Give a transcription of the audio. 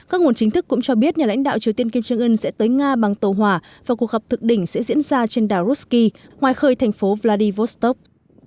các nguồn chính thức cũng cho biết nhà lãnh đạo triều tiên kim jong un sẽ tới nga bằng tàu hỏa và cuộc gặp thực đỉnh sẽ diễn ra trên đảo ruski ngoài khơi thành phố vladivostok